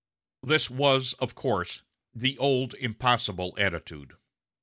This was, of course, the old impossible attitude.